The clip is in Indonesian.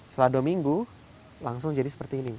setelah dua minggu langsung jadi seperti ini